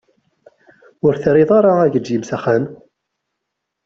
Ur d-terriḍ ara agelzim s axxam.